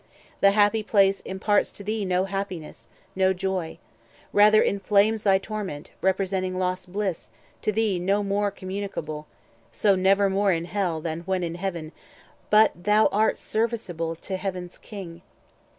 The happy place Imparts to thee no happiness, no joy— Rather inflames thy torment, representing Lost bliss, to thee no more communicable; So never more in Hell than when in Heaven. 420 But thou art serviceable to Heaven's King!